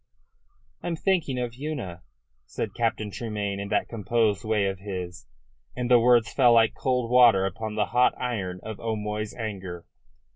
"I'm thinking of Una," said Captain Tremayne in that composed way of his, and the words fell like cold water upon the hot iron of O'Moy's anger.